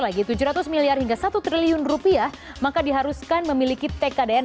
lagi tujuh ratus miliar hingga satu triliun rupiah maka diharuskan memiliki tkdn